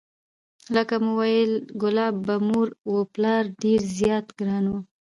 لکه ومو ویل کلاب په مور و پلار ډېر زیات ګران و،